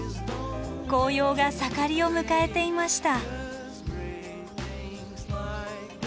紅葉が盛りを迎えていました。